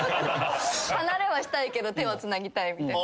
離れはしたいけど手はつなぎたいみたいな。